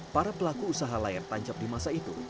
para pelaku usaha layar tancap di masa itu